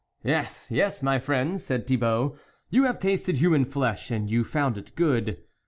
" Yes, yes, my friends," said Thibault, " you have tasted human flesh, and you found it good."